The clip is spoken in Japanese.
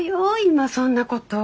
今そんなこと。